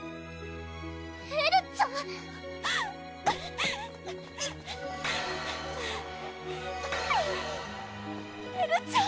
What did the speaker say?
エルちゃんエルちゃん！